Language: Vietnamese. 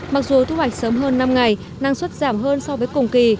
mặc dù thu hoạch sớm hơn năm ngày năng suất giảm hơn so với cùng kỳ